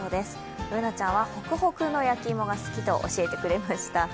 Ｂｏｏｎａちゃんはホクホクの焼き芋が好きと教えてくれました。